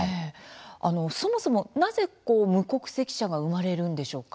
そもそも、なぜ無国籍者が生まれるんでしょうか？